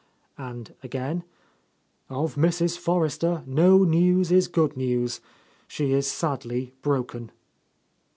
And again: "Of Mrs. Forrester, no news is good news. She is sadly broken."